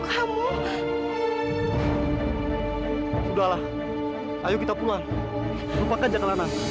hai sudah lah ayo kita pulang